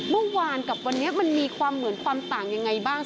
เมื่อวานกับวันนี้มันมีความเหมือนความต่างยังไงบ้าง